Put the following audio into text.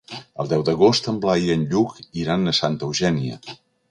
El deu d'agost en Blai i en Lluc iran a Santa Eugènia.